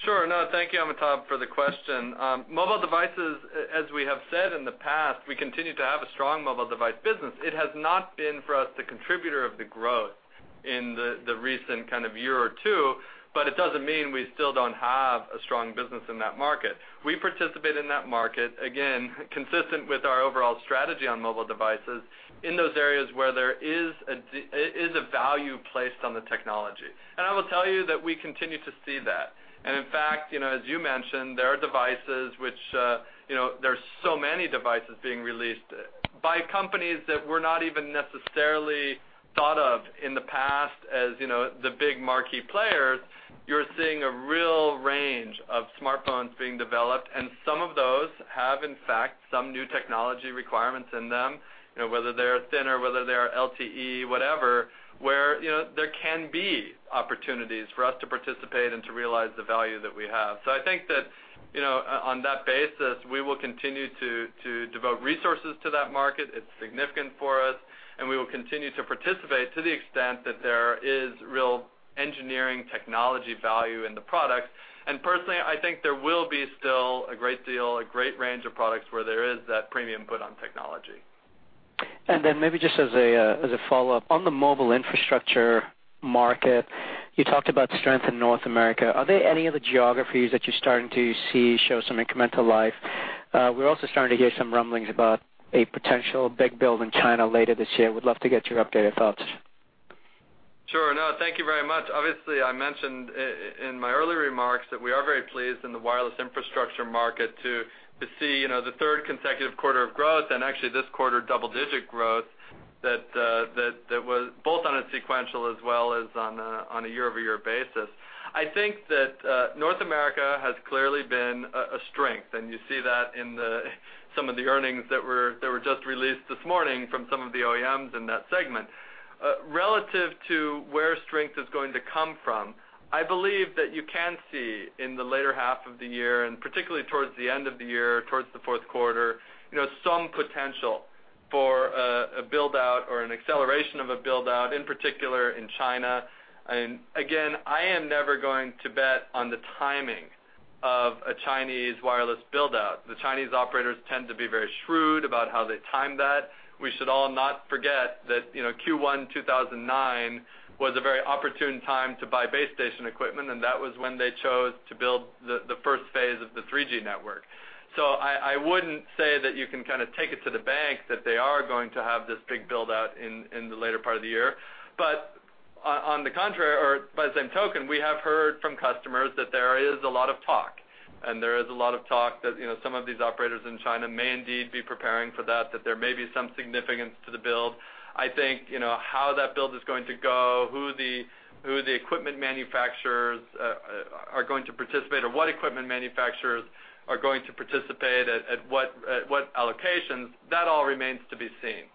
Sure. No, thank you, Amitabh, for the question. Mobile devices, as we have said in the past, we continue to have a strong mobile device business. It has not been, for us, the contributor of the growth in the recent kind of year or two, but it doesn't mean we still don't have a strong business in that market. We participate in that market, again, consistent with our overall strategy on mobile devices, in those areas where there is a value placed on the technology. And I will tell you that we continue to see that. And in fact, you know, as you mentioned, there are devices which, you know, there's so many devices being released by companies that were not even necessarily thought of in the past as, you know, the big marquee players. You're seeing a real range of smartphones being developed, and some of those have, in fact, some new technology requirements in them, you know, whether they're thinner, whether they're LTE, whatever, where, you know, there can be opportunities for us to participate and to realize the value that we have. So I think that, you know, on that basis, we will continue to devote resources to that market. It's significant for us, and we will continue to participate to the extent that there is real engineering technology value in the products. And personally, I think there will be still a great deal, a great range of products where there is that premium put on technology. And then maybe just as a, as a follow-up. On the mobile infrastructure market, you talked about strength in North America. Are there any other geographies that you're starting to see show some incremental life? We're also starting to hear some rumblings about a potential big build in China later this year. Would love to get your updated thoughts. Sure. No, thank you very much. Obviously, I mentioned in my early remarks that we are very pleased in the wireless infrastructure market to see, you know, the third consecutive quarter of growth, and actually this quarter, double-digit growth, that was both on a sequential as well as on a year-over-year basis. I think that North America has clearly been a strength, and you see that in some of the earnings that were just released this morning from some of the OEMs in that segment. Relative to where strength is going to come from, I believe that you can see in the later half of the year, and particularly towards the end of the year, towards the fourth quarter, you know, some potential for a build-out or an acceleration of a build-out, in particular in China. And again, I am never going to bet on the timing of a Chinese wireless build-out. The Chinese operators tend to be very shrewd about how they time that. We should all not forget that, you know, Q1 2009 was a very opportune time to buy base station equipment, and that was when they chose to build the first phase of the 3G network. So I wouldn't say that you can kind of take it to the bank that they are going to have this big build-out in the later part of the year. But on the contrary, or by the same token, we have heard from customers that there is a lot of talk, and there is a lot of talk that, you know, some of these operators in China may indeed be preparing for that, that there may be some significance to the build. I think, you know, how that build is going to go, who the, who the equipment manufacturers are going to participate, or what equipment manufacturers are going to participate at, at what, what allocations, that all remains to be seen.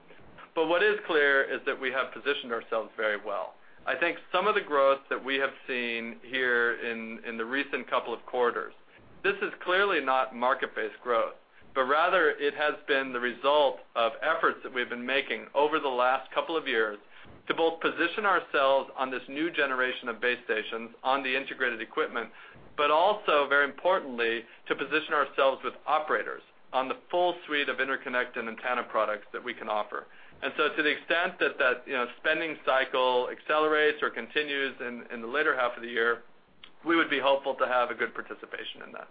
But what is clear is that we have positioned ourselves very well. I think some of the growth that we have seen here in the recent couple of quarters, this is clearly not market-based growth, but rather it has been the result of efforts that we've been making over the last couple of years to both position ourselves on this new generation of base stations on the integrated equipment, but also, very importantly, to position ourselves with operators on the full suite of interconnect and antenna products that we can offer. And so to the extent that that, you know, spending cycle accelerates or continues in the latter half of the year, we would be hopeful to have a good participation in that.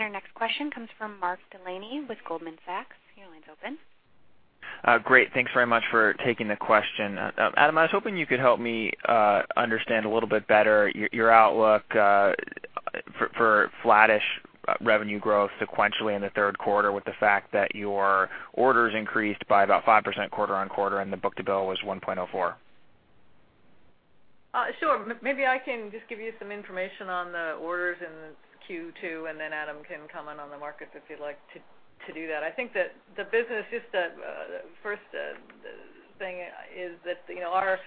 Our next question comes from Mark Delaney with Goldman Sachs. Your line's open. Great. Thanks very much for taking the question. Adam, I was hoping you could help me understand a little bit better your outlook for flattish revenue growth sequentially in the third quarter, with the fact that your orders increased by about 5% quarter-over-quarter, and the book-to-bill was 1.04. Sure. Maybe I can just give you some information on the orders in Q2, and then Adam can comment on the markets if you'd like to do that. I think that the business, just, the first thing is that, you know, our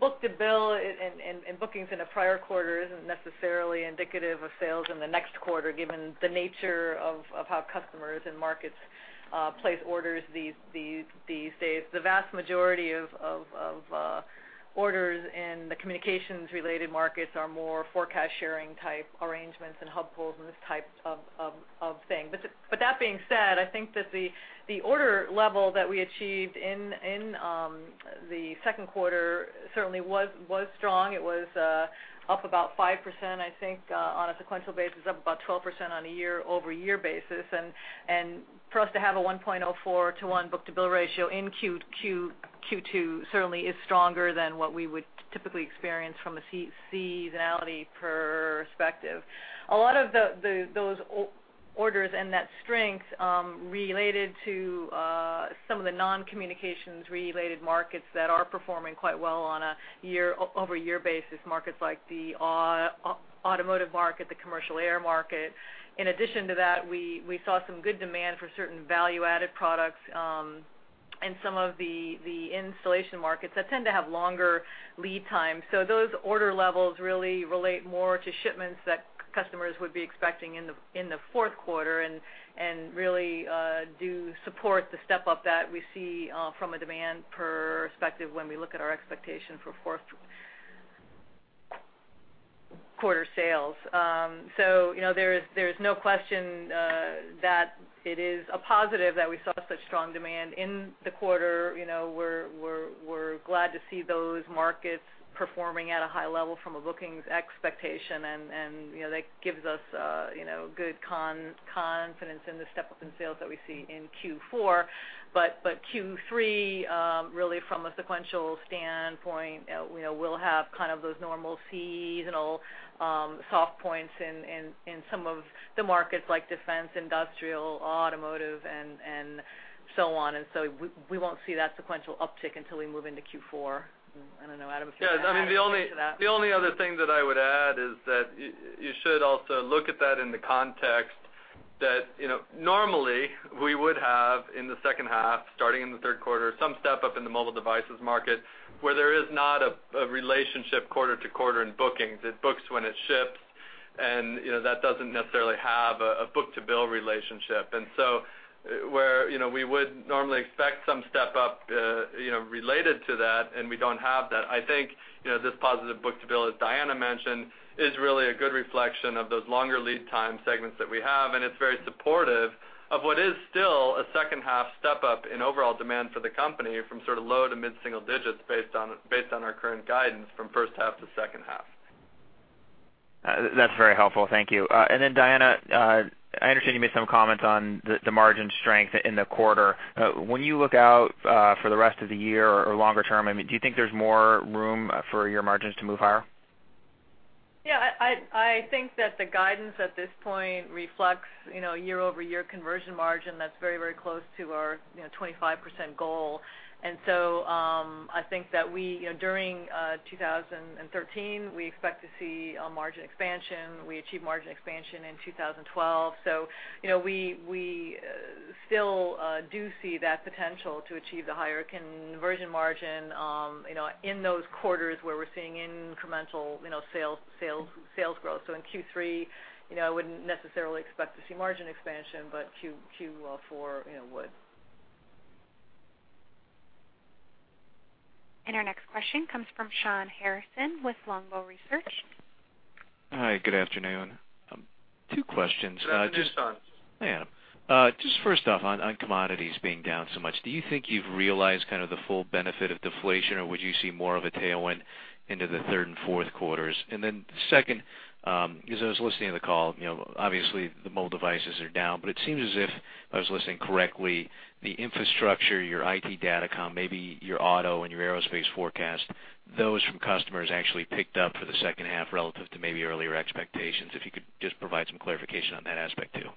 book-to-bill and bookings in the prior quarter isn't necessarily indicative of sales in the next quarter, given the nature of how customers and markets place orders these days. The vast majority of orders in the communications-related markets are more forecast-sharing type arrangements and hub pulls and this type of thing. But that being said, I think that the order level that we achieved in the second quarter certainly was strong. It was up about 5%, I think, on a sequential basis, up about 12% on a year-over-year basis. And for us to have a 1.04-to-1 book-to-bill ratio in Q2 certainly is stronger than what we would typically experience from a seasonality perspective. A lot of those orders and that strength related to some of the non-communications related markets that are performing quite well on a year-over-year basis, markets like the automotive market, the commercial air market. In addition to that, we saw some good demand for certain value-added products in some of the installation markets that tend to have longer lead times. So those order levels really relate more to shipments that customers would be expecting in the fourth quarter, and really do support the step-up that we see from a demand perspective when we look at our expectation for fourth quarter sales. So you know, there is no question that it is a positive that we saw such strong demand in the quarter. You know, we're glad to see those markets performing at a high level from a bookings expectation, and you know, that gives us good confidence in the step-up in sales that we see in Q4. But Q3 really from a sequential standpoint, we know we'll have kind of those normal seasonal soft points in some of the markets like defense, industrial, automotive and so on. And so we won't see that sequential uptick until we move into Q4. I don't know, Adam, if you want to add to that. Yeah, I mean, the only, the only other thing that I would add is that you should also look at that in the context that, you know, normally we would have in the H2, starting in the third quarter, some step up in the mobile devices market, where there is not a relationship quarter to quarter in bookings. It books when it ships, and, you know, that doesn't necessarily have a book-to-bill relationship. So where, you know, we would normally expect some step up, you know, related to that, and we don't have that, I think, you know, this positive book-to-bill, as Diana mentioned, is really a good reflection of those longer lead time segments that we have, and it's very supportive of what is still a H2 step up in overall demand for the company from sort of low to mid-single digits, based on our current guidance from H1 to H2. That's very helpful. Thank you. And then, Diana, I understand you made some comments on the margin strength in the quarter. When you look out for the rest of the year or longer term, I mean, do you think there's more room for your margins to move higher? Yeah, I think that the guidance at this point reflects, you know, year-over-year conversion margin that's very, very close to our, you know, 25% goal. And so, I think that we, you know, during 2013, we expect to see a margin expansion. We achieved margin expansion in 2012. So you know, we still do see that potential to achieve the higher conversion margin, you know, in those quarters where we're seeing incremental, you know, sales growth. So in Q3, you know, I wouldn't necessarily expect to see margin expansion, but Q4, you know, would. Our next question comes from Shawn Harrison with Longbow Research. Hi, good afternoon. Two questions. Good afternoon, Shawn. Hi, Adam. Just first off, on, on commodities being down so much, do you think you've realized kind of the full benefit of deflation, or would you see more of a tailwind into the third and fourth quarters? And then second, as I was listening to the call, you know, obviously, the mobile devices are down, but it seems as if I was listening correctly, the infrastructure, your IT datacom, maybe your auto and your aerospace forecast, those from customers actually picked up for the H2 relative to maybe earlier expectations. If you could just provide some clarification on that aspect, too.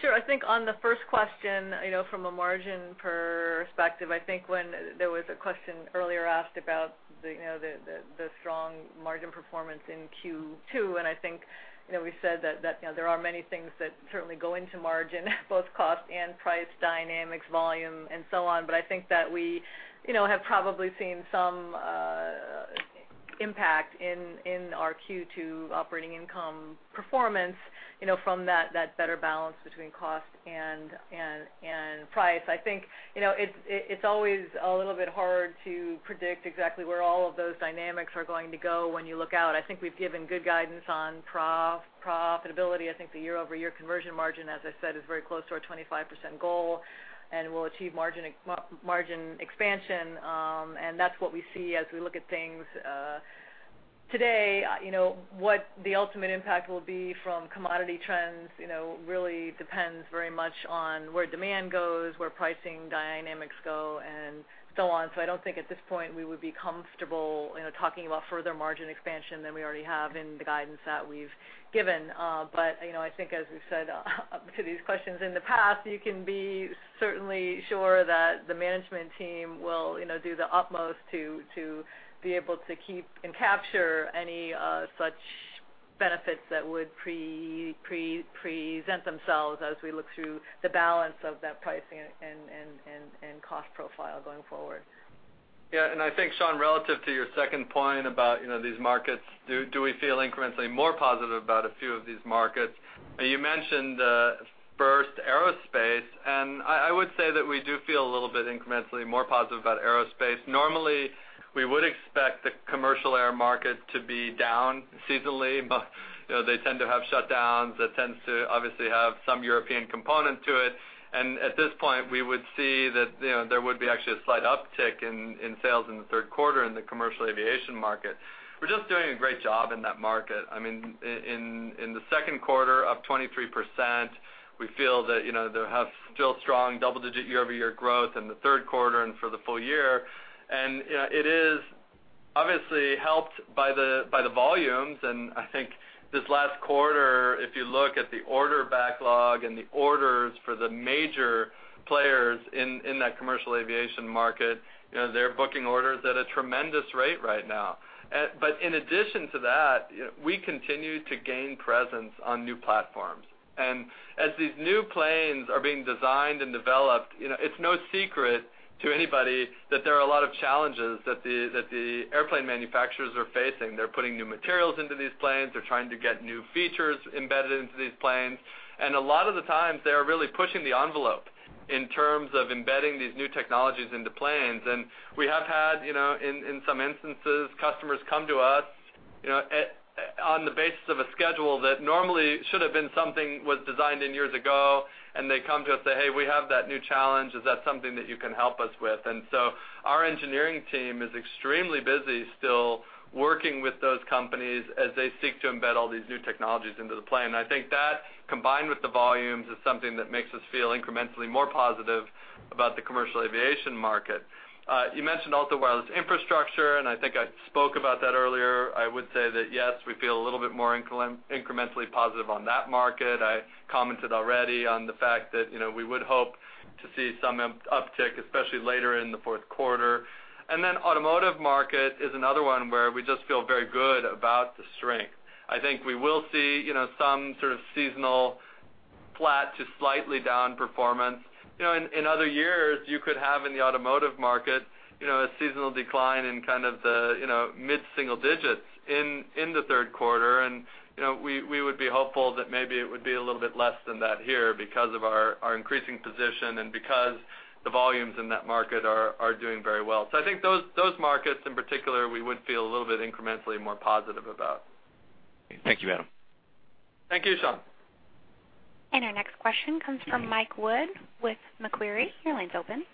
Sure. I think on the first question, you know, from a margin perspective, I think when there was a question earlier asked about the, you know, the strong margin performance in Q2, and I think, you know, we said that, you know, there are many things that certainly go into margin, both cost and price dynamics, volume and so on. But I think that we, you know, have probably seen some impact in our Q2 operating income performance, you know, from that better balance between cost and price. I think, you know, it's always a little bit hard to predict exactly where all of those dynamics are going to go when you look out. I think we've given good guidance on profitability. I think the year-over-year conversion margin, as I said, is very close to our 25% goal, and we'll achieve margin expansion. That's what we see as we look at things today, you know, what the ultimate impact will be from commodity trends, you know, really depends very much on where demand goes, where pricing dynamics go, and so on. So I don't think at this point, we would be comfortable, you know, talking about further margin expansion than we already have in the guidance that we've given. But, you know, I think as we've said to these questions in the past, you can be certainly sure that the management team will, you know, do the utmost to be able to keep and capture any such benefits that would present themselves as we look through the balance of that pricing and cost profile going forward. Yeah, and I think, Shawn, relative to your second point about, you know, these markets, do we feel incrementally more positive about a few of these markets? You mentioned first, aerospace, and I would say that we do feel a little bit incrementally more positive about aerospace. Normally, we would expect the commercial air market to be down seasonally, but, you know, they tend to have shutdowns. That tends to obviously have some European component to it. And at this point, we would see that, you know, there would be actually a slight uptick in sales in the third quarter in the commercial aviation market. We're just doing a great job in that market. I mean, in the second quarter, up 23%. We feel that, you know, they'll have still strong double-digit year-over-year growth in the third quarter and for the full year. You know, it is obviously helped by the volumes, and I think this last quarter, if you look at the order backlog and the orders for the major players in that commercial aviation market, you know, they're booking orders at a tremendous rate right now. But in addition to that, we continue to gain presence on new platforms. As these new planes are being designed and developed, you know, it's no secret to anybody that there are a lot of challenges that the airplane manufacturers are facing. They're putting new materials into these planes. They're trying to get new features embedded into these planes, and a lot of the times, they are really pushing the envelope in terms of embedding these new technologies into planes. And we have had, you know, in some instances, customers come to us, you know, on the basis of a schedule that normally should have been something was designed in years ago, and they come to us say, "Hey, we have that new challenge. Is that something that you can help us with?" And so our engineering team is extremely busy still working with those companies as they seek to embed all these new technologies into the plane. I think that, combined with the volumes, is something that makes us feel incrementally more positive about the commercial aviation market. You mentioned also wireless infrastructure, and I think I spoke about that earlier. I would say that, yes, we feel a little bit more incrementally positive on that market. I commented already on the fact that, you know, we would hope to see some uptick, especially later in the fourth quarter. And then automotive market is another one where we just feel very good about the strength. I think we will see, you know, some sort of seasonal flat to slightly down performance. You know, in, in other years, you could have in the automotive market, you know, a seasonal decline in kind of the, you know, mid-single digits in, in the third quarter. And, you know, we, we would be hopeful that maybe it would be a little bit less than that here because of our, our increasing position and because the volumes in that market are, are doing very well. So I think those, those markets in particular, we would feel a little bit incrementally more positive about. Thank you, Adam. Thank you, Shawn. Our next question comes from Michael Wood with Macquarie. Your line's open.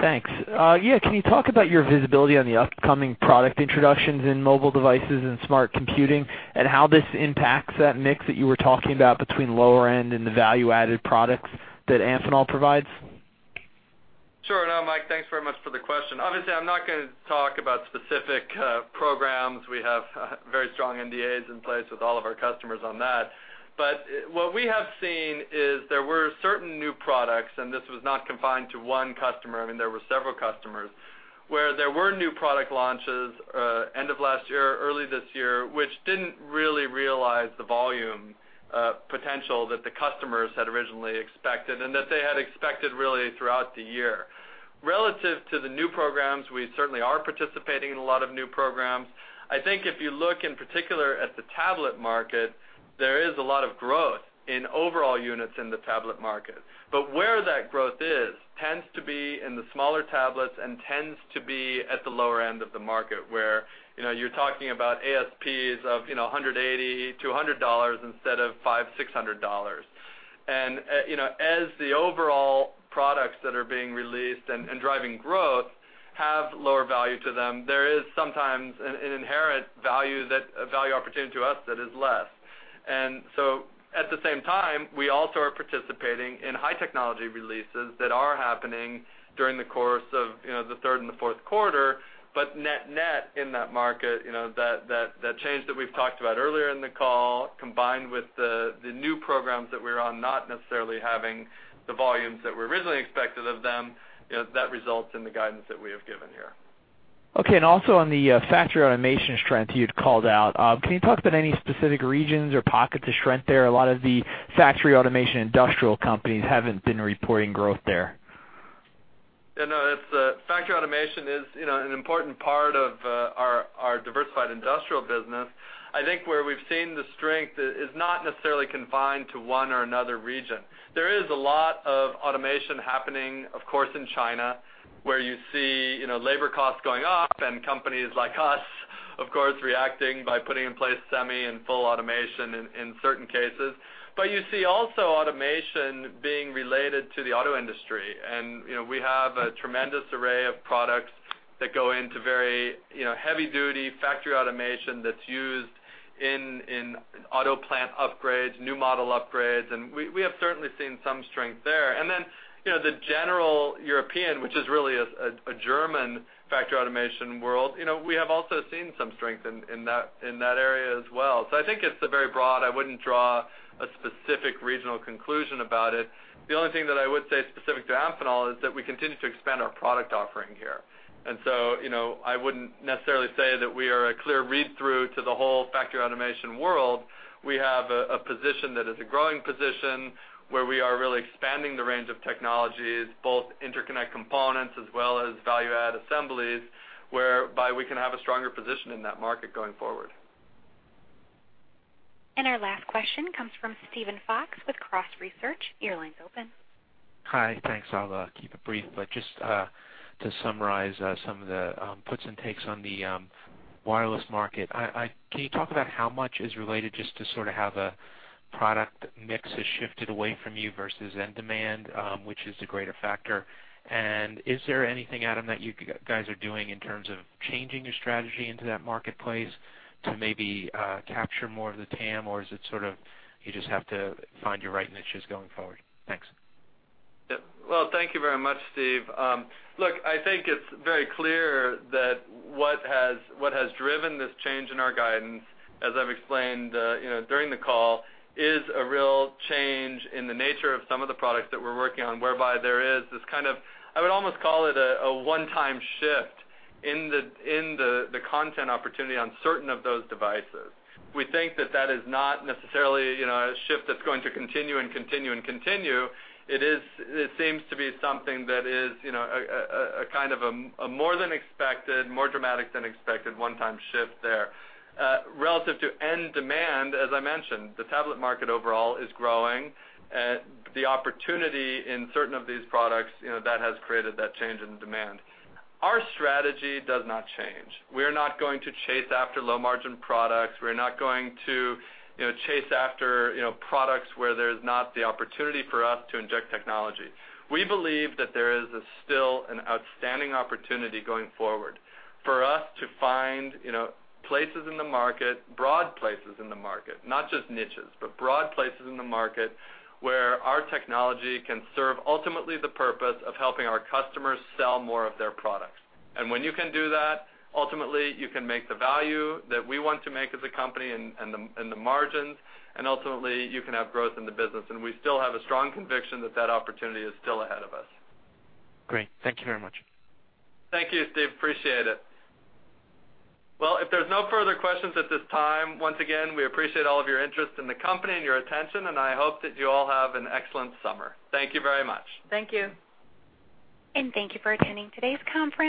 Thanks. Yeah, can you talk about your visibility on the upcoming product introductions in mobile devices and smart computing, and how this impacts that mix that you were talking about between lower end and the value-added products that Amphenol provides? Sure. No, Michael, thanks very much for the question. Obviously, I'm not gonna talk about specific programs. We have very strong NDAs in place with all of our customers on that. But what we have seen is there were certain new products, and this was not confined to one customer. I mean, there were several customers, where there were new product launches end of last year, early this year, which didn't really realize the volume potential that the customers had originally expected, and that they had expected really throughout the year. Relative to the new programs, we certainly are participating in a lot of new programs. I think if you look in particular at the tablet market, there is a lot of growth in overall units in the tablet market. But where that growth is tends to be in the smaller tablets and tends to be at the lower end of the market, where, you know, you're talking about ASPs of, you know, $180-$200 instead of $500-$600. And, you know, as the overall products that are being released and, and driving growth have lower value to them, there is sometimes an inherent value that, a value opportunity to us that is less. And so at the same time, we also are participating in high technology releases that are happening during the course of, you know, the third and the fourth quarter. Net net in that market, you know, that change that we've talked about earlier in the call, combined with the new programs that we're on, not necessarily having the volumes that were originally expected of them, you know, that results in the guidance that we have given here. Okay. And also on the factory automation strength you'd called out, can you talk about any specific regions or pockets of strength there? A lot of the factory automation industrial companies haven't been reporting growth there. You know, it's factory automation is, you know, an important part of our diversified industrial business. I think where we've seen the strength is not necessarily confined to one or another region. There is a lot of automation happening, of course, in China, where you see, you know, labor costs going up and companies like us, of course, reacting by putting in place semi and full automation in certain cases. But you see also automation being related to the auto industry. And, you know, we have a tremendous array of products that go into very, you know, heavy-duty factory automation that's used in auto plant upgrades, new model upgrades, and we have certainly seen some strength there. And then, you know, the general European, which is really a German factory automation world, you know, we have also seen some strength in that area as well. So I think it's a very broad, I wouldn't draw a specific regional conclusion about it. The only thing that I would say specific to Amphenol is that we continue to expand our product offering here. And so, you know, I wouldn't necessarily say that we are a clear read-through to the whole factory automation world. We have a position that is a growing position, where we are really expanding the range of technologies, both interconnect components as well as value-add assemblies, whereby we can have a stronger position in that market going forward. Our last question comes from Steven Fox with Cross Research. Your line's open. Hi, thanks. I'll keep it brief. But just to summarize some of the puts and takes on the wireless market, can you talk about how much is related just to sort of how the product mix has shifted away from you versus end demand, which is the greater factor? And is there anything, Adam, that you guys are doing in terms of changing your strategy into that marketplace to maybe capture more of the TAM? Or is it sort of, you just have to find your right niches going forward? Thanks. Yep. Well, thank you very much, Steve. Look, I think it's very clear that what has driven this change in our guidance, as I've explained, you know, during the call, is a real change in the nature of some of the products that we're working on, whereby there is this kind of, I would almost call it a one-time shift in the content opportunity on certain of those devices. We think that that is not necessarily, you know, a shift that's going to continue and continue and continue. It seems to be something that is, you know, a kind of a more than expected, more dramatic than expected, one-time shift there. Relative to end demand, as I mentioned, the tablet market overall is growing, the opportunity in certain of these products, you know, that has created that change in demand. Our strategy does not change. We're not going to chase after low-margin products. We're not going to, you know, chase after, you know, products where there's not the opportunity for us to inject technology. We believe that there is still an outstanding opportunity going forward for us to find, you know, places in the market, broad places in the market, not just niches, but broad places in the market, where our technology can serve ultimately the purpose of helping our customers sell more of their products. And when you can do that, ultimately, you can make the value that we want to make as a company and the, and the margins, and ultimately, you can have growth in the business. And we still have a strong conviction that that opportunity is still ahead of us. Great. Thank you very much. Thank you, Steve. Appreciate it. Well, if there's no further questions at this time, once again, we appreciate all of your interest in the company and your attention, and I hope that you all have an excellent summer. Thank you very much. Thank you. Thank you for attending today's conference.